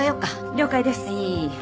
了解です。